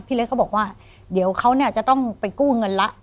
เล็กเขาบอกว่าเดี๋ยวเขาเนี่ยจะต้องไปกู้เงินละ